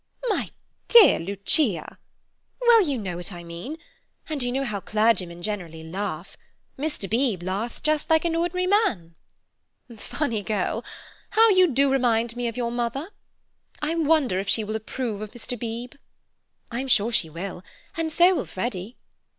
"My dear Lucia—" "Well, you know what I mean. And you know how clergymen generally laugh; Mr. Beebe laughs just like an ordinary man." "Funny girl! How you do remind me of your mother. I wonder if she will approve of Mr. Beebe." "I'm sure she will; and so will Freddy."